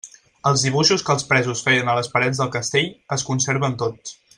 Els dibuixos que els presos feien a les parets del castell es conserven tots.